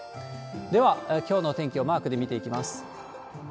では、きょうの天気をマークで見ていきます。